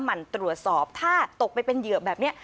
หั่นตรวจสอบถ้าตกไปเป็นเหยื่อแบบนี้